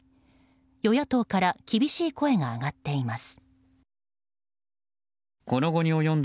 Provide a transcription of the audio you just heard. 与野党から厳しい声が上がっています。